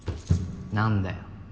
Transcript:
何だよ？